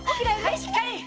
はいしっかり！